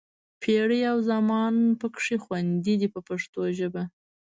پېړۍ او زمان پکې خوندي دي په پښتو ژبه.